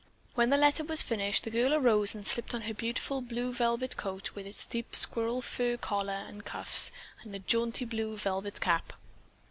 When the letter was finished, the girl arose and slipped on her beautiful blue velvet coat with its deep squirrel fur collar and cuffs and a jaunty blue velvet cap.